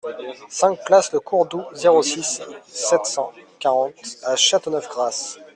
cinq place Le Courredou, zéro six, sept cent quarante à Châteauneuf-Grasse